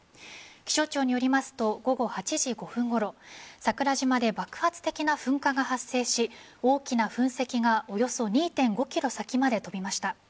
気象庁によりますと午後８時５分ごろ桜島で爆発的な噴火が発生し大きな噴石がおよそ２．５ｋｍ先まで飛びました。